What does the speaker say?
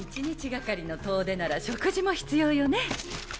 １日がかりの遠出なら食事も必要よね。